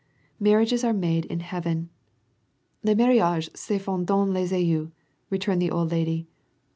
"Marriages are made in heaven — Ips mariages sefont dons les cieux/^ returned the old lady.